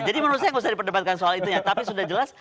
jadi menurut saya gak usah diperdebatkan soal itunya tapi sudah jelas